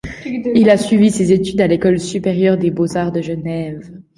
Il a suivi ses études à l'École supérieure des beaux-arts de Genève.